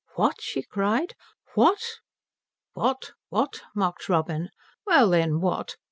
"What?" she cried, "What?" "What? What?" mocked Robin. "Well then, what?